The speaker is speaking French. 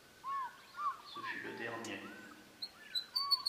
Ce fut le dernier.